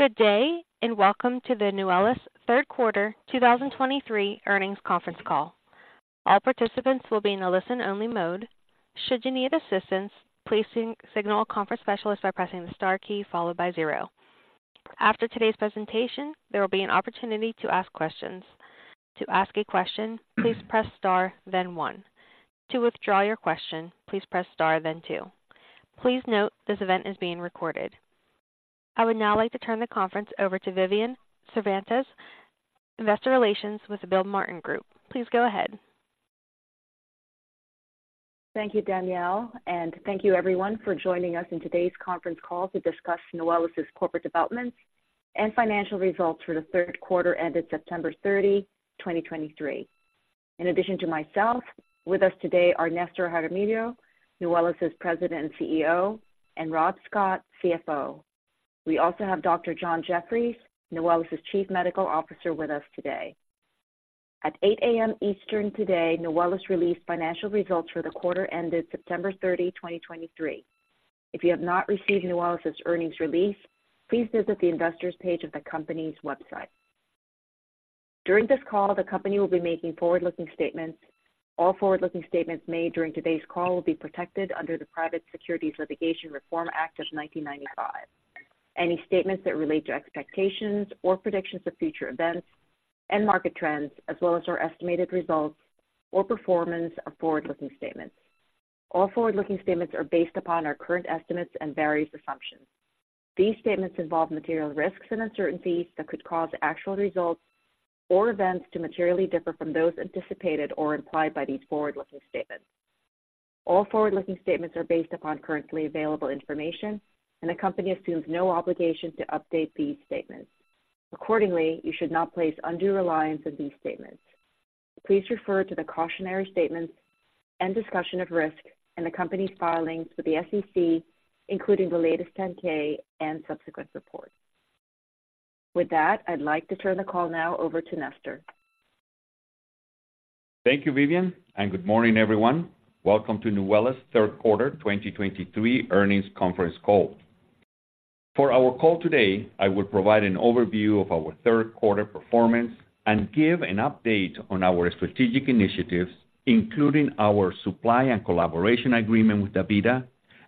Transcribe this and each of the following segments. Good day, and welcome to the Nuwellis third quarter 2023 earnings conference call. All participants will be in a listen-only mode. Should you need assistance, please signal a conference specialist by pressing the star key followed by zero. After today's presentation, there will be an opportunity to ask questions. To ask a question, please press star, then one. To withdraw your question, please press star, then two. Please note, this event is being recorded. I would now like to turn the conference over to Vivian Cervantes, Investor Relations with the Gilmartin Group. Please go ahead. Thank you, Danielle, and thank you everyone for joining us in today's conference call to discuss Nuwellis's corporate developments and financial results for the third quarter ended September 30, 2023. In addition to myself, with us today are Nestor Jaramillo, Nuwellis's President and CEO, and Rob Scott, CFO. We also have Dr. John Jefferies, Nuwellis's Chief Medical Officer, with us today. At 8 A.M. Eastern today, Nuwellis released financial results for the quarter ended September 30, 2023. If you have not received Nuwellis's earnings release, please visit the Investors page of the company's website. During this call, the company will be making forward-looking statements. All forward-looking statements made during today's call will be protected under the Private Securities Litigation Reform Act of 1995. Any statements that relate to expectations or predictions of future events and market trends, as well as our estimated results or performance, are forward-looking statements. All forward-looking statements are based upon our current estimates and various assumptions. These statements involve material risks and uncertainties that could cause actual results or events to materially differ from those anticipated or implied by these forward-looking statements. All forward-looking statements are based upon currently available information, and the company assumes no obligation to update these statements. Accordingly, you should not place undue reliance on these statements. Please refer to the cautionary statements and discussion of risk in the company's filings with the SEC, including the latest 10-K and subsequent report. With that, I'd like to turn the call now over to Nestor. Thank you, Vivian, and good morning, everyone. Welcome to Nuwellis's third quarter 2023 earnings conference call. For our call today, I will provide an overview of our third quarter performance and give an update on our strategic initiatives, including our supply and collaboration agreement with DaVita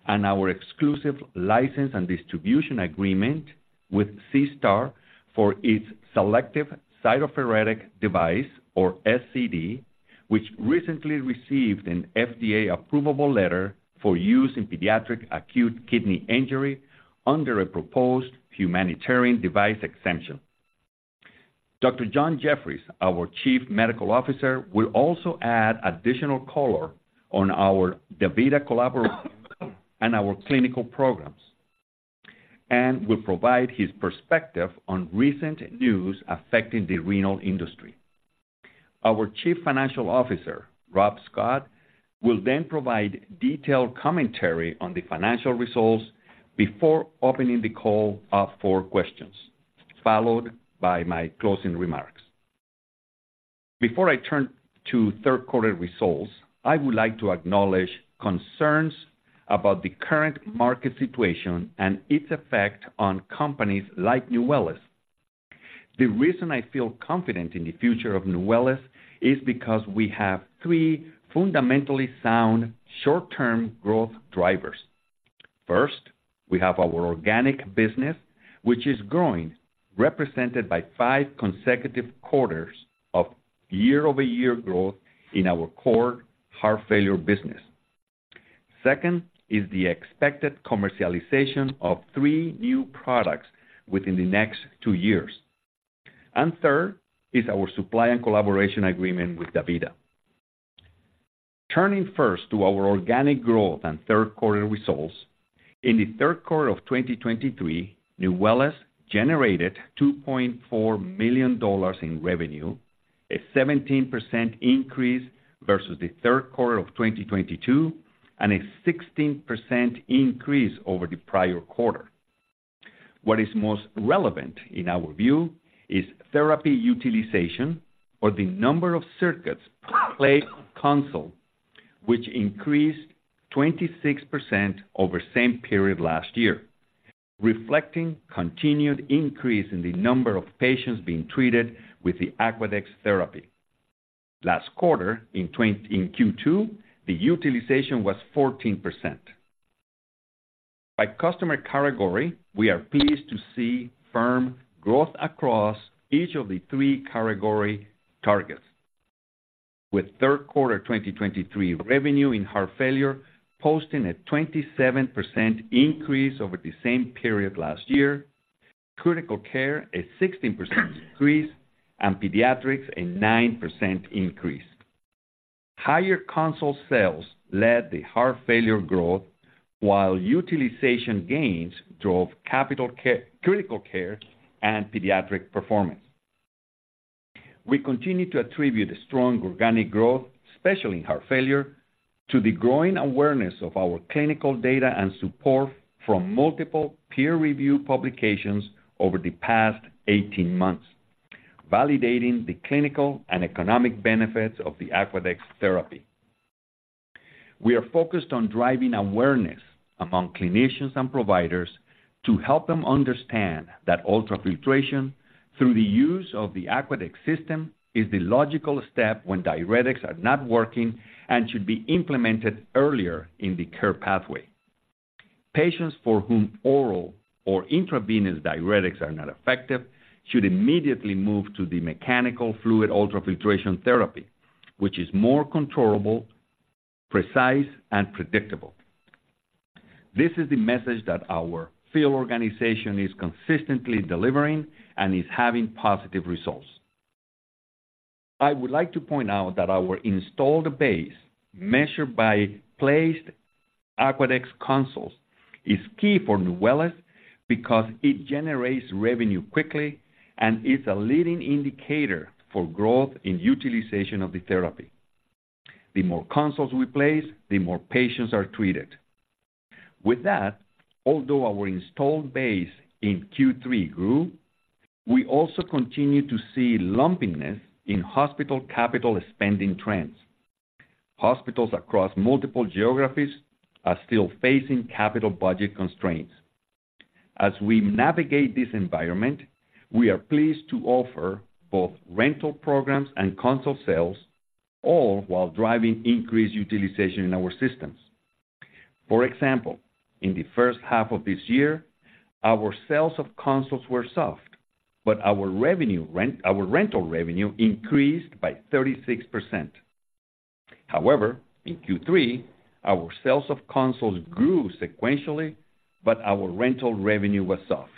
and our exclusive license and distribution agreement with SeaStar for its Selective Cytopheretic Device, or SCD, which recently received an FDA approvable letter for use in pediatric acute kidney injury under a proposed Humanitarian Device Exemption. Dr. John Jefferies, our Chief Medical Officer, will also add additional color on our DaVita collaboration and our clinical programs and will provide his perspective on recent news affecting the renal industry. Our Chief Financial Officer, Rob Scott, will then provide detailed commentary on the financial results before opening the call up for questions, followed by my closing remarks. Before I turn to third quarter results, I would like to acknowledge concerns about the current market situation and its effect on companies like Nuwellis. The reason I feel confident in the future of Nuwellis is because we have three fundamentally sound short-term growth drivers. First, we have our organic business, which is growing, represented by five consecutive quarters of year-over-year growth in our core heart failure business. Second is the expected commercialization of three new products within the next two years. Third is our supply and collaboration agreement with DaVita. Turning first to our organic growth and third quarter results. In the third quarter of 2023, Nuwellis generated $2.4 million in revenue, a 17% increase versus the third quarter of 2022, and a 16% increase over the prior quarter. What is most relevant, in our view, is therapy utilization or the number of circuits per placed console, which increased 26% over same period last year, reflecting continued increase in the number of patients being treated with the Aquadex therapy. Last quarter, in Q2, the utilization was 14%. By customer category, we are pleased to see firm growth across each of the three category targets, with third quarter 2023 revenue in heart failure posting a 27% increase over the same period last year, critical care a 16% increase, and pediatrics a 9% increase. Higher console sales led the heart failure growth, while utilization gains drove critical care and pediatric performance. We continue to attribute a strong organic growth, especially in heart failure, to the growing awareness of our clinical data and support from multiple peer-reviewed publications over the past 18 months, validating the clinical and economic benefits of the Aquadex therapy. We are focused on driving awareness among clinicians and providers to help them understand that ultrafiltration, through the use of the Aquadex system, is the logical step when diuretics are not working and should be implemented earlier in the care pathway. Patients for whom oral or intravenous diuretics are not effective should immediately move to the mechanical fluid ultrafiltration therapy, which is more controllable, precise, and predictable. This is the message that our field organization is consistently delivering and is having positive results. I would like to point out that our installed base, measured by placed Aquadex consoles, is key for Nuwellis because it generates revenue quickly and is a leading indicator for growth in utilization of the therapy. The more consoles we place, the more patients are treated. With that, although our installed base in Q3 grew, we also continued to see lumpiness in hospital capital spending trends. Hospitals across multiple geographies are still facing capital budget constraints. As we navigate this environment, we are pleased to offer both rental programs and console sales, all while driving increased utilization in our systems. For example, in the first half of this year, our sales of consoles were soft, but our rental revenue increased by 36%. However, in Q3, our sales of consoles grew sequentially, but our rental revenue was soft.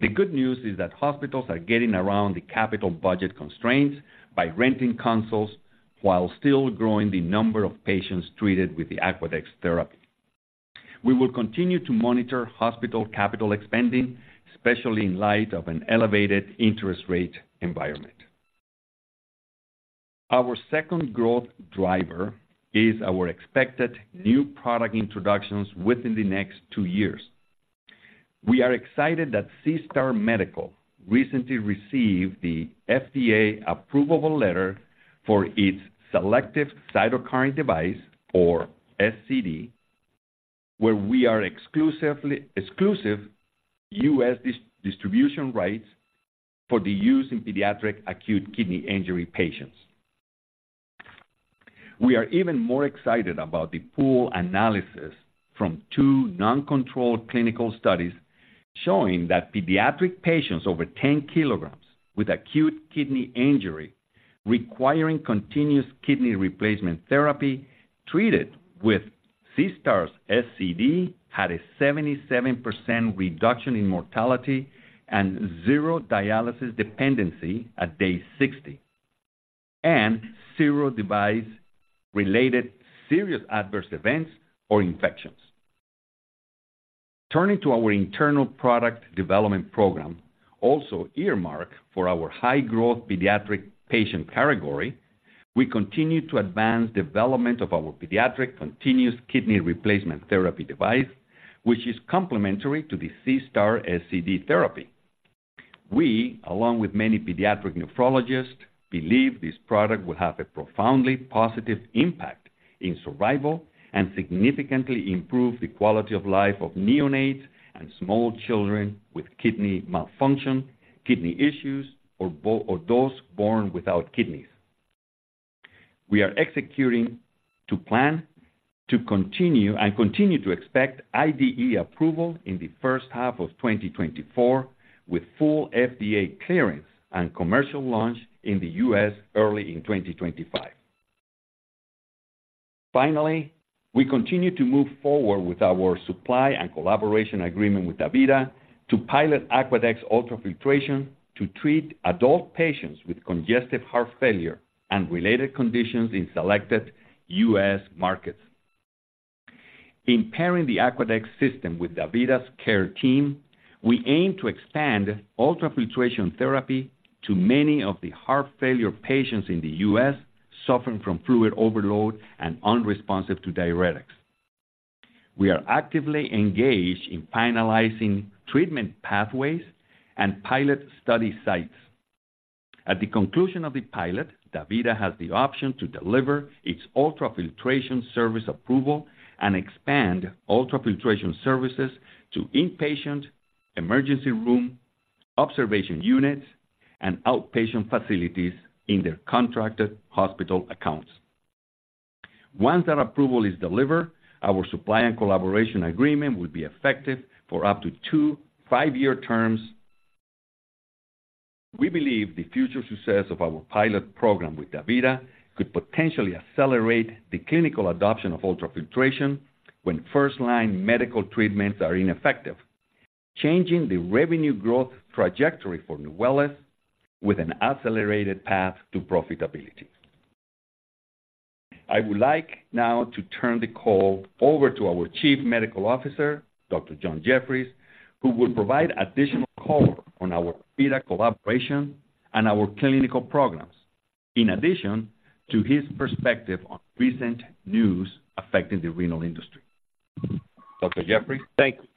The good news is that hospitals are getting around the capital budget constraints by renting consoles while still growing the number of patients treated with the Aquadex therapy. We will continue to monitor hospital capital spending, especially in light of an elevated interest rate environment. Our second growth driver is our expected new product introductions within the next two years. We are excited that SeaStar Medical recently received the FDA approvable letter for its selective cytopheretic device, or SCD, where we are exclusive U.S. distribution rights for the use in pediatric acute kidney injury patients. We are even more excited about the pooled analysis from two non-controlled clinical studies showing that pediatric patients over 10 kg with acute kidney injury requiring continuous kidney replacement therapy, treated with SeaStar's SCD, had a 77% reduction in mortality and zero dialysis dependency at day 60, and zero device-related serious adverse events or infections. Turning to our internal product development program, also earmarked for our high-growth pediatric patient category, we continue to advance development of our pediatric continuous kidney replacement therapy device, which is complementary to the SeaStar SCD therapy. We, along with many pediatric nephrologists, believe this product will have a profoundly positive impact in survival and significantly improve the quality of life of neonates and small children with kidney malfunction, kidney issues, or those born without kidneys. We are executing to plan to continue to expect IDE approval in the first half of 2024, with full FDA clearance and commercial launch in the U.S. early in 2025. Finally, we continue to move forward with our supply and collaboration agreement with DaVita to pilot Aquadex ultrafiltration to treat adult patients with congestive heart failure and related conditions in selected U.S. markets. In pairing the Aquadex system with DaVita's care team, we aim to expand ultrafiltration therapy to many of the heart failure patients in the U.S. suffering from fluid overload and unresponsive to diuretics. We are actively engaged in finalizing treatment pathways and pilot study sites. At the conclusion of the pilot, DaVita has the option to deliver its ultrafiltration service approval and expand ultrafiltration services to inpatient, emergency room, observation units, and outpatient facilities in their contracted hospital accounts. Once that approval is delivered, our supply and collaboration agreement will be effective for up to two five-year terms. We believe the future success of our pilot program with DaVita could potentially accelerate the clinical adoption of ultrafiltration when first-line medical treatments are ineffective, changing the revenue growth trajectory for Nuwellis with an accelerated path to profitability. I would like now to turn the call over to our Chief Medical Officer, Dr. John Jefferies, who will provide additional color on our DaVita collaboration and our clinical programs, in addition to his perspective on recent news affecting the renal industry. Dr. Jefferies? Thank you.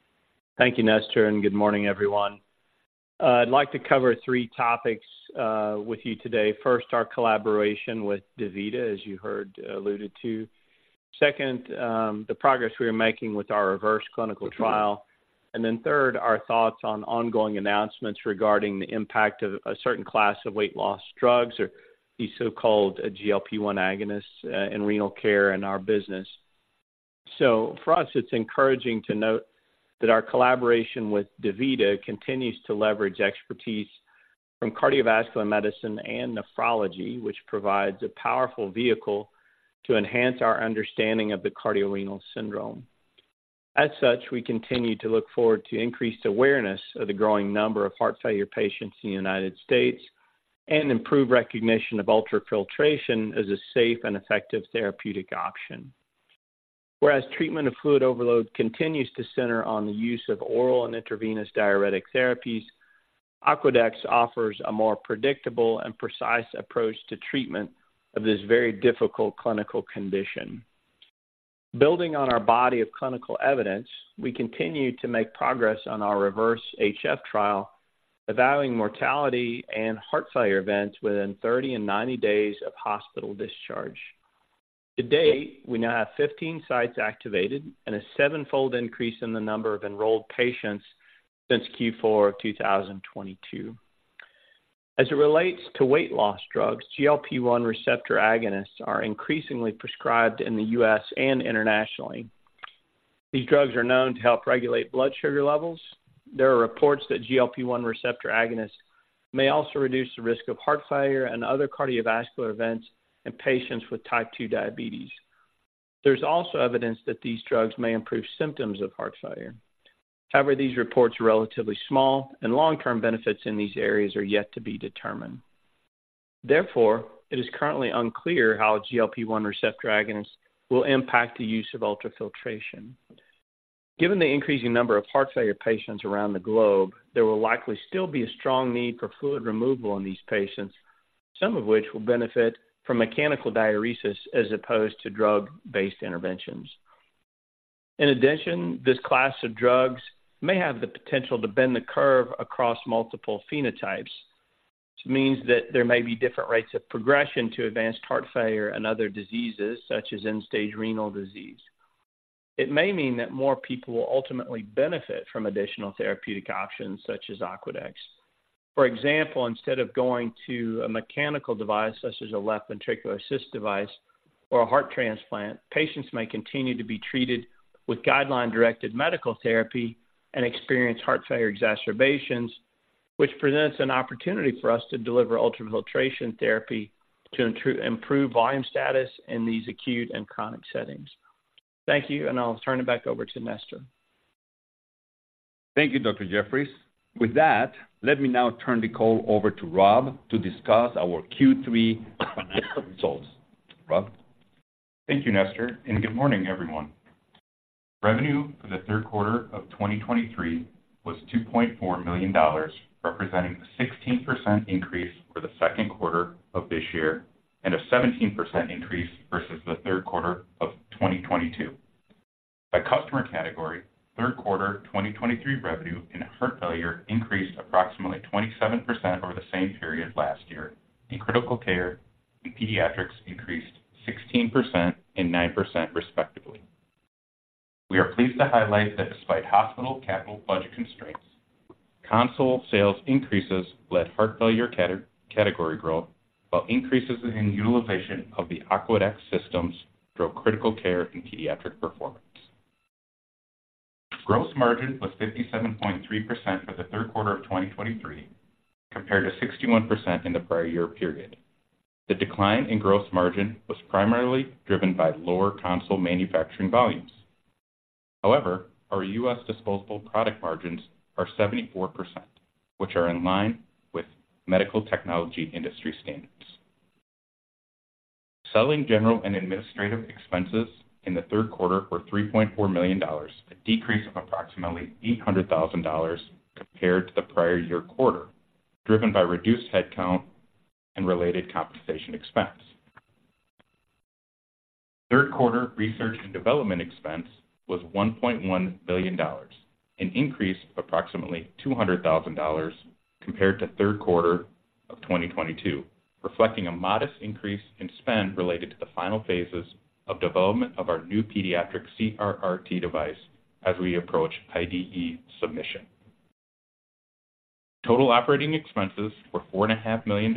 Thank you, Nestor, and good morning, everyone. I'd like to cover three topics with you today. First, our collaboration with DaVita, as you heard, alluded to. Second, the progress we are making with our Reverse clinical trial. And then third, our thoughts on ongoing announcements regarding the impact of a certain class of weight loss drugs, or these so-called GLP-1 agonists in renal care and our business. So for us, it's encouraging to note that our collaboration with DaVita continues to leverage expertise from cardiovascular medicine and nephrology, which provides a powerful vehicle to enhance our understanding of the cardiorenal syndrome. As such, we continue to look forward to increased awareness of the growing number of heart failure patients in the United States and improve recognition of ultrafiltration as a safe and effective therapeutic option. Whereas treatment of fluid overload continues to center on the use of oral and intravenous diuretic therapies, Aquadex offers a more predictable and precise approach to treatment of this very difficult clinical condition. Building on our body of clinical evidence, we continue to make progress on our REVERSE-HF trial, evaluating mortality and heart failure events within 30 and 90 days of hospital discharge. To-date, we now have 15 sites activated and a seven-fold increase in the number of enrolled patients since Q4 of 2022. As it relates to weight loss drugs, GLP-1 receptor agonists are increasingly prescribed in the U.S. and internationally. These drugs are known to help regulate blood sugar levels. There are reports that GLP-1 receptor agonists may also reduce the risk of heart failure and other cardiovascular events in patients with type 2 diabetes. There's also evidence that these drugs may improve symptoms of heart failure. However, these reports are relatively small, and long-term benefits in these areas are yet to be determined. Therefore, it is currently unclear how GLP-1 receptor agonists will impact the use of ultrafiltration. Given the increasing number of heart failure patients around the globe, there will likely still be a strong need for fluid removal in these patients, some of which will benefit from mechanical diuresis as opposed to drug-based interventions. In addition, this class of drugs may have the potential to bend the curve across multiple phenotypes, which means that there may be different rates of progression to advanced heart failure and other diseases, such as end-stage renal disease. It may mean that more people will ultimately benefit from additional therapeutic options, such as Aquadex. For example, instead of going to a mechanical device, such as a left ventricular assist device or a heart transplant, patients may continue to be treated with guideline-directed medical therapy and experience heart failure exacerbations, which presents an opportunity for us to deliver ultrafiltration therapy to improve volume status in these acute and chronic settings. Thank you, and I'll turn it back over to Nestor. Thank you, Dr. Jefferies. With that, let me now turn the call over to Rob to discuss our Q3 financial results. Rob? Thank you, Nestor, and good morning, everyone. Revenue for the third quarter of 2023 was $2.4 million, representing a 16% increase for the second quarter of this year and a 17% increase versus the third quarter of 2022. By customer category, third quarter 2023 revenue in heart failure increased approximately 27% over the same period last year, in critical care and pediatrics increased 16% and 9%, respectively. We are pleased to highlight that despite hospital capital budget constraints, console sales increases led heart failure category growth, while increases in utilization of the Aquadex systems drove critical care and pediatric performance. Gross margin was 57.3% for the third quarter of 2023, compared to 61% in the prior year period. The decline in gross margin was primarily driven by lower console manufacturing volumes. However, our U.S. disposable product margins are 74%, which are in line with medical technology industry standards. Selling, general, and administrative expenses in the third quarter were $3.4 million, a decrease of approximately $800,000 compared to the prior year quarter, driven by reduced headcount and related compensation expense. Third quarter research and development expense was $1.1 billion, an increase of approximately $200,000 compared to third quarter of 2022, reflecting a modest increase in spend related to the final phases of development of our new pediatric CRRT device as we approach IDE submission. Total operating expenses were $4.5 million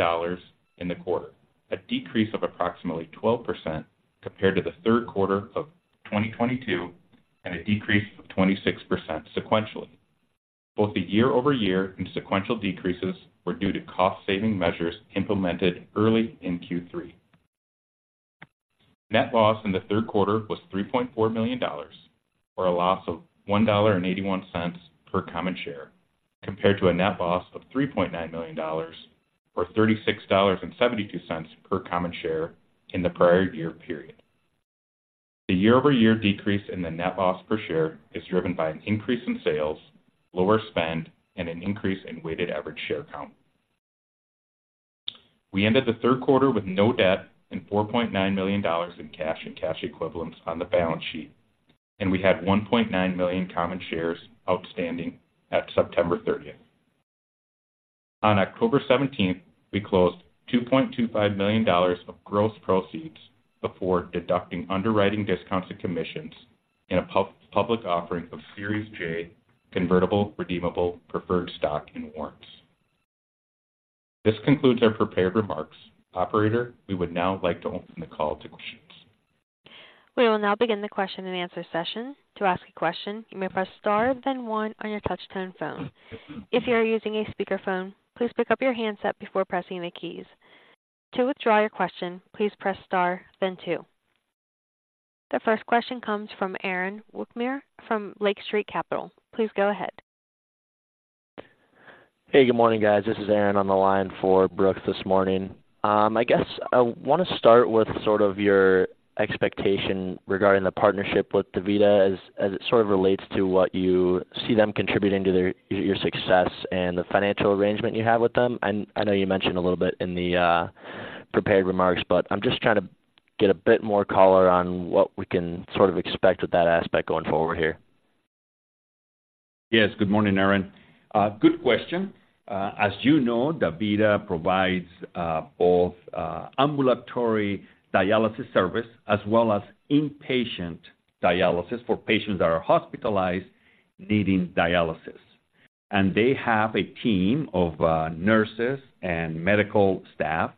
in the quarter, a decrease of approximately 12% compared to the third quarter of 2022, and a decrease of 26% sequentially. Both the year-over-year and sequential decreases were due to cost-saving measures implemented early in Q3. Net loss in the third quarter was $3.4 million, or a loss of $1.81 per common share, compared to a net loss of $3.9 million, or $36.72 per common share in the prior year period. The year-over-year decrease in the net loss per share is driven by an increase in sales, lower spend, and an increase in weighted average share count. We ended the third quarter with no debt and $4.9 million in cash and cash equivalents on the balance sheet, and we had 1.9 million common shares outstanding at September 30th. On October 17th, we closed $2.25 million of gross proceeds before deducting underwriting discounts and commissions in a public offering of Series J Convertible Redeemable Preferred Stock and warrants. This concludes our prepared remarks. Operator, we would now like to open the call to questions. We will now begin the question-and-answer session. To ask a question, you may press star, then one on your touchtone phone. If you are using a speakerphone, please pick up your handset before pressing the keys. To withdraw your question, please press star then two. The first question comes from Aaron Wukmir from Lake Street Capital. Please go ahead. Hey, good morning, guys. This is Aaron on the line for Brooks this morning. I guess I want to start with sort of your expectation regarding the partnership with DaVita as it sort of relates to what you see them contributing to their, your, your success and the financial arrangement you have with them. I know you mentioned a little bit in the prepared remarks, but I'm just trying to get a bit more color on what we can sort of expect with that aspect going forward here. Yes, good morning, Aaron. Good question. As you know, DaVita provides both ambulatory dialysis service as well as inpatient dialysis for patients that are hospitalized needing dialysis and they have a team of nurses and medical staff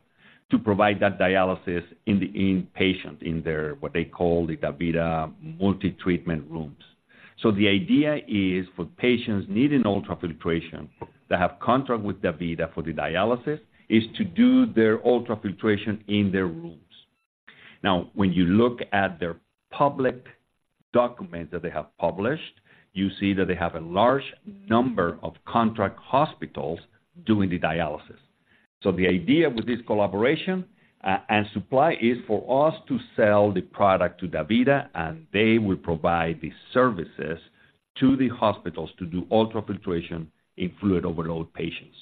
to provide that dialysis in the inpatient, in their, what they call the DaVita multi-treatment rooms. So the idea is for patients needing ultrafiltration, that have contract with DaVita for the dialysis, is to do their ultrafiltration in their rooms. Now, when you look at their public documents that they have published, you see that they have a large number of contract hospitals doing the dialysis. So the idea with this collaboration and supply is for us to sell the product to DaVita, and they will provide the services to the hospitals to do ultrafiltration in fluid overload patients.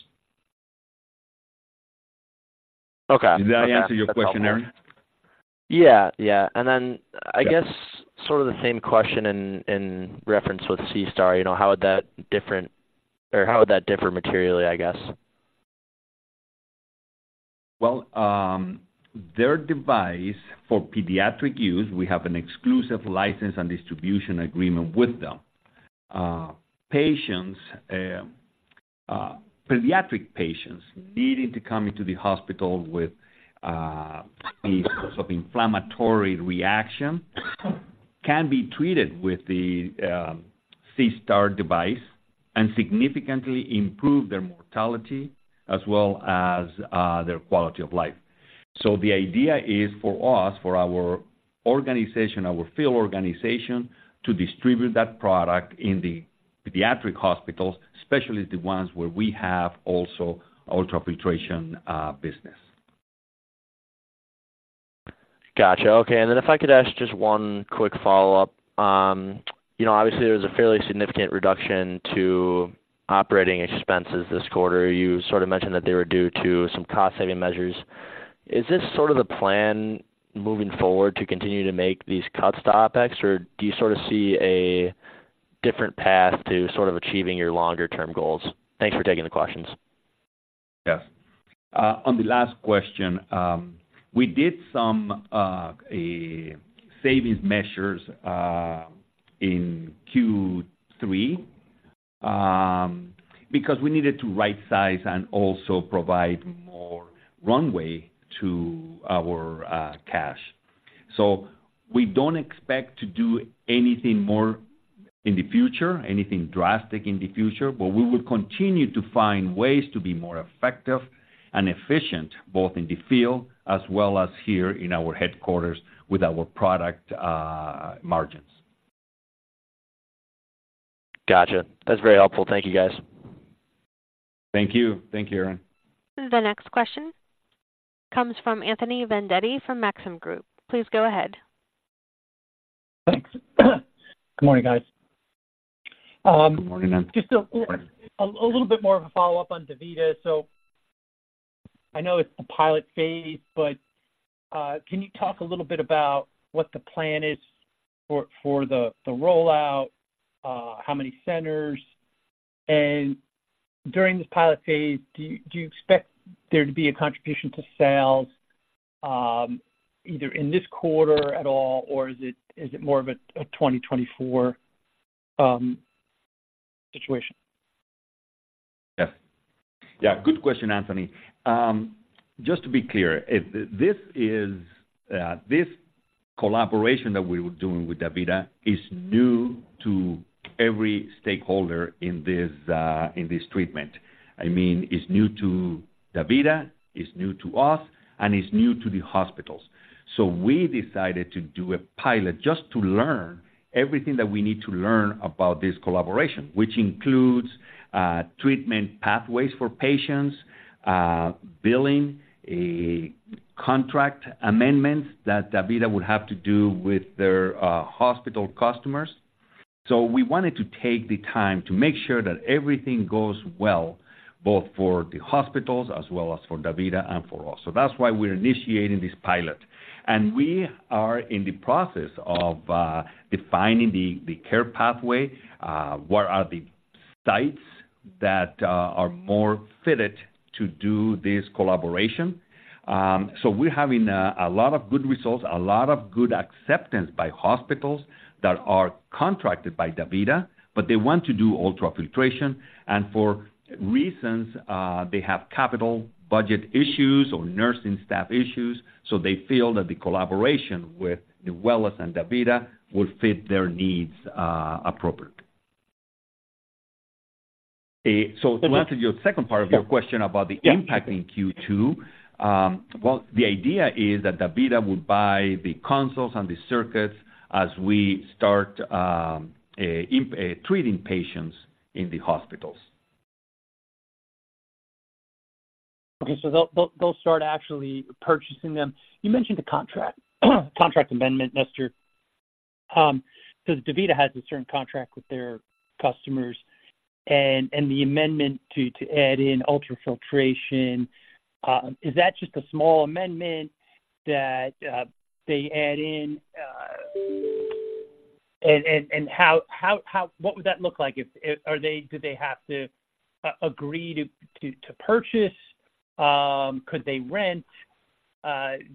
Okay. Did that answer your question, Aaron? Yeah. Yeah. Then I guess sort of the same question in reference with SeaStar. You know, how would that different or how would that differ materially, I guess? Well, their device for pediatric use, we have an exclusive license and distribution agreement with them. Patients, pediatric patients needing to come into the hospital with some inflammatory reaction, can be treated with the SeaStar device and significantly improve their mortality as well as their quality of life. So the idea is for us, for our organization, our field organization, to distribute that product in the pediatric hospitals, especially the ones where we have also ultrafiltration business. Gotcha. Okay. Then if I could ask just one quick follow-up. You know, obviously, there was a fairly significant reduction to operating expenses this quarter. You sort of mentioned that they were due to some cost-saving measures. Is this sort of the plan moving forward to continue to make these cuts to OpEx, or do you sort of see a different path to sort of achieving your longer-term goals? Thanks for taking the questions. Yes. On the last question, we did some savings measures in Q3, because we needed to rightsize and also provide more runway to our cash. So we don't expect to do anything more in the future, anything drastic in the future, but we will continue to find ways to be more effective and efficient, both in the field as well as here in our headquarters with our product margins. Gotcha. That's very helpful. Thank you, guys. Thank you. Thank you, Aaron. The next question comes from Anthony Vendetti from Maxim Group. Please go ahead. Thanks. Good morning, guys. Good morning. Just a little bit more of a follow-up on DaVita. So I know it's the pilot phase, but can you talk a little bit about what the plan is for the rollout? How many centers and during this pilot phase, do you expect there to be a contribution to sales, either in this quarter at all, or is it more of a 2024 situation? Yes. Yeah, good question, Anthony. Just to be clear, this collaboration that we were doing with DaVita is new to every stakeholder in this treatment. I mean, it's new to DaVita, it's new to us, and it's new to the hospitals. So we decided to do a pilot just to learn everything that we need to learn about this collaboration, which includes treatment pathways for patients, billing, a contract amendment that DaVita would have to do with their hospital customers. So we wanted to take the time to make sure that everything goes well, both for the hospitals as well as for DaVita and for us. So that's why we're initiating this pilot and we are in the process of defining the care pathway. Where are the sites that are more fitted to do this collaboration? So we're having a lot of good results, a lot of good acceptance by hospitals that are contracted by DaVita, but they want to do ultrafiltration, and for reasons, they have capital budget issues or nursing staff issues, so they feel that the collaboration with Nuwellis and DaVita will fit their needs appropriately. So to answer your second part of your question about the impact in Q2, well, the idea is that DaVita will buy the consoles and the circuits as we start treating patients in the hospitals. Okay, so they'll start actually purchasing them. You mentioned the contract amendment, Nestor. So DaVita has a certain contract with their customers and the amendment to add in ultrafiltration, is that just a small amendment that they add in and what would that look like if... Do they have to agree to purchase? Could they rent?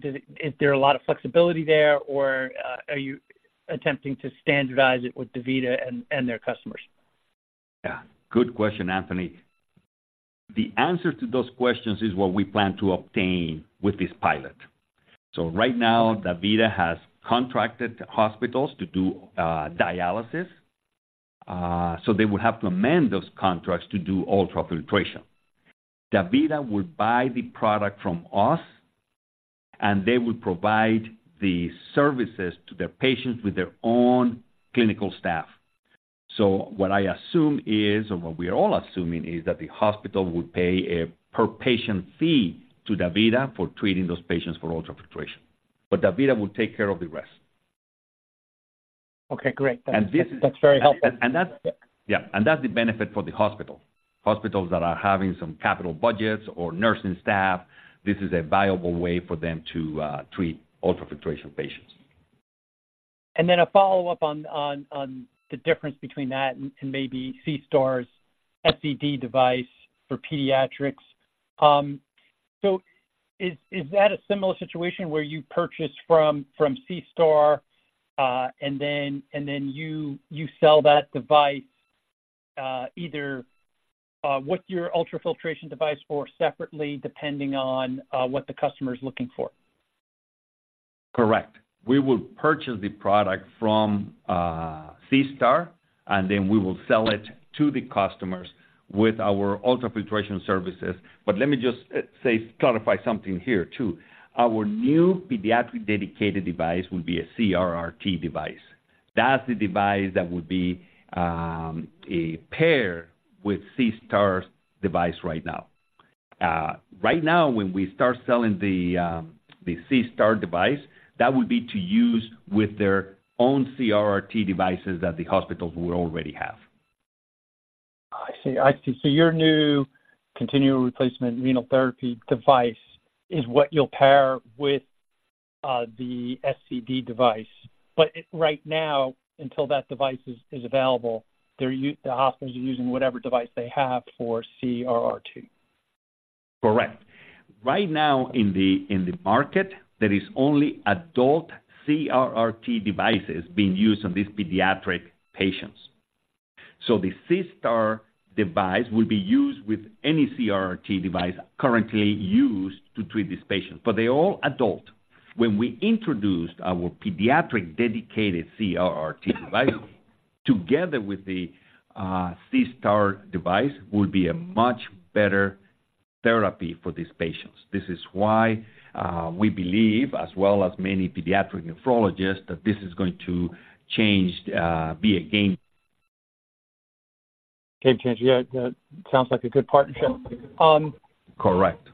Is there a lot of flexibility there, or are you attempting to standardize it with DaVita and their customers? Yeah. Good question, Anthony. The answer to those questions is what we plan to obtain with this pilot. So right now, DaVita has contracted hospitals to do dialysis. So they would have to amend those contracts to do ultrafiltration. DaVita would buy the product from us, and they would provide the services to their patients with their own clinical staff. So what I assume is, or what we are all assuming, is that the hospital would pay a per-patient fee to DaVita for treating those patients for ultrafiltration, but DaVita will take care of the rest. Okay, great. This- That's very helpful. That's the benefit for the hospital. Hospitals that are having some capital budgets or nursing staff, this is a viable way for them to treat ultrafiltration patients. Then a follow-up on the difference between that and maybe SeaStar's SCD device for pediatrics. So is that a similar situation where you purchase from SeaStar, and then you sell that device, either with your ultrafiltration device or separately, depending on what the customer is looking for? Correct. We will purchase the product from, SeaStar, and then we will sell it to the customers with our ultrafiltration services. But let me just say, clarify something here, too. Our new pediatric-dedicated device will be a CRRT device. That's the device that would be, a pair with SeaStar's device right now. Right now, when we start selling the, the SeaStar device, that would be to use with their own CRRT devices that the hospitals would already have. I see. I see. So your new continuous renal replacement therapy device is what you'll pair with the SCD device. But it, right now, until that device is available, the hospitals are using whatever device they have for CRRT. Correct. Right now, in the market, there is only adult CRRT devices being used on these pediatric patients. So the SeaStar device will be used with any CRRT device currently used to treat these patients, but they're all adult. When we introduced our pediatric-dedicated CRRT device, together with the SeaStar device, will be a much better therapy for these patients. This is why we believe, as well as many pediatric nephrologists, that this is going to change be a game- Game changer. Yeah, that sounds like a good partnership. Correct.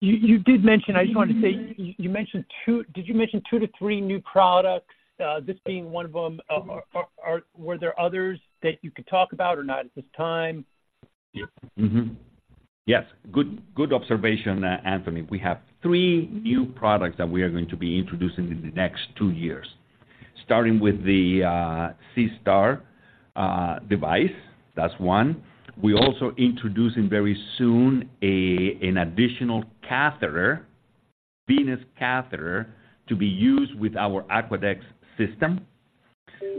You did mention. I just wanted to say, did you mention 2-3 new products, this being one of them? Are there others that you could talk about or not at this time? Yes. Good, good observation, Anthony. We have three new products that we are going to be introducing in the next two years, starting with the SeaStar device. That's one. We're also introducing very soon an additional catheter, venous catheter, to be used with our Aquadex system.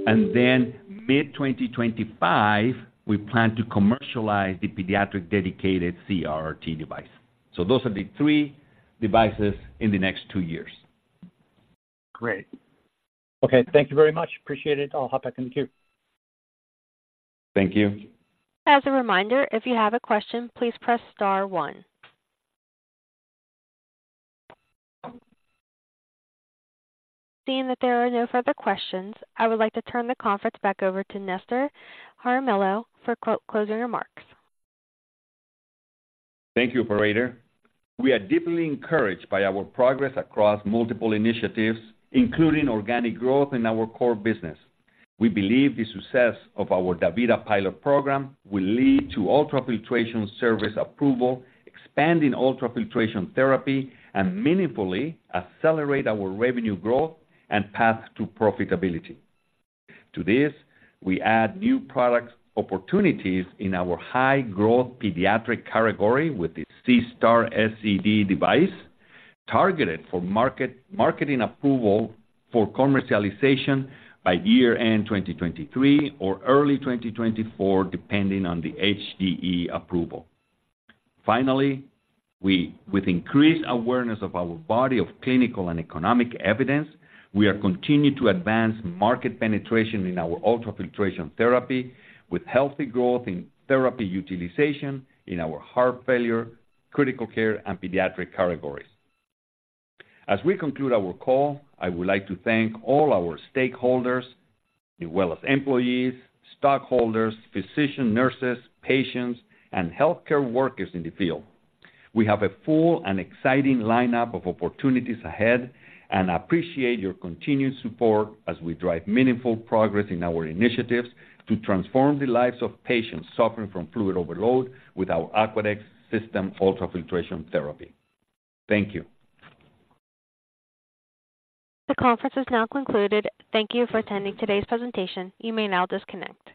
Then mid-2025, we plan to commercialize the pediatric-dedicated CRRT device. So those are the three devices in the next two years. Great. Okay. Thank you very much. Appreciate it. I'll hop back in the queue. Thank you. As a reminder, if you have a question, please press star one. Seeing that there are no further questions, I would like to turn the conference back over to Nestor Jaramillo for closing remarks. Thank you, operator. We are deeply encouraged by our progress across multiple initiatives, including organic growth in our core business. We believe the success of our DaVita pilot program will lead to ultrafiltration service approval, expanding ultrafiltration therapy, and meaningfully accelerate our revenue growth and path to profitability. To this, we add new products opportunities in our high-growth pediatric category with the SeaStar SCD device, targeted for marketing approval for commercialization by year-end 2023 or early 2024, depending on the HDE approval. Finally, with increased awareness of our body of clinical and economic evidence, we are continuing to advance market penetration in our ultrafiltration therapy with healthy growth in therapy utilization in our heart failure, critical care, and pediatric categories. As we conclude our call, I would like to thank all our stakeholders, Nuwellis employees, stockholders, physicians, nurses, patients, and healthcare workers in the field. We have a full and exciting lineup of opportunities ahead, and I appreciate your continued support as we drive meaningful progress in our initiatives to transform the lives of patients suffering from fluid overload with our Aquadex system ultrafiltration therapy. Thank you. The conference is now concluded. Thank you for attending today's presentation. You may now disconnect.